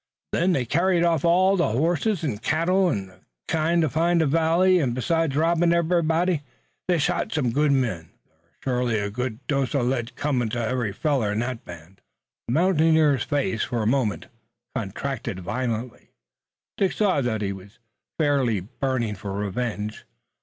Then they've carried off all the hosses an' cattle they kin find in the valleys an' besides robbin' everybody they've shot some good men. Thar is shorely a good dose uv lead comin' to every feller in that band." The mountaineer's face for a moment contracted violently. Dick saw that he was fairly burning for revenge.